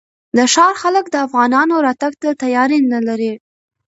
د ښار خلک د افغانانو راتګ ته تیاری نه لري.